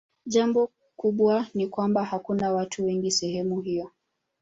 Jambo kubwa ni kwamba hakuna watu wengi sehemu hiyo.